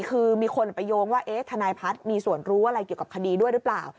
คือมีคนไปโยงว่าทนายพัฒน์มีส่วนรู้อะไรเกี่ยวกับคดีด้วยหรือเปล่า